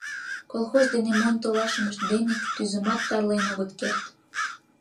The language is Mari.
Колхоз дене монь толашымышт дене кӱтӱзымат тарлен огыт керт.